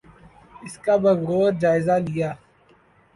اس کا بغور جائزہ لیا۔